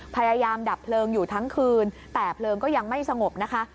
พยายามดับเพลิงอยู่ทั้งคืนแต่เพลิงก็ยังไม่สงบนะคะ